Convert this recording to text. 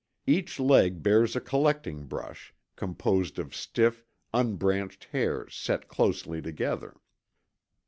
Each leg bears a collecting brush, composed of stiff, unbranched hairs set closely together.